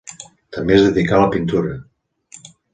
També es dedicà a la pintura.